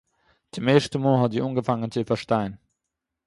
צום ערשטן מאָל האָט זי אָנגעפאַנגען צו פאַרשטיין